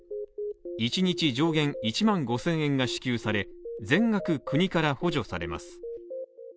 一日上限１万５０００円が支給され全額、国から補助されます。